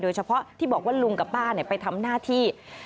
เฉพาะที่บอกว่าลุงกับป้าไปทำหน้าที่